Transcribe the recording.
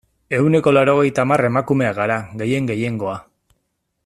Ehuneko laurogeita hamar emakumeak gara, gehien gehiengoa.